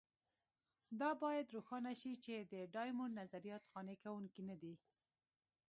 دا باید روښانه شي چې د ډایمونډ نظریات قانع کوونکي نه دي.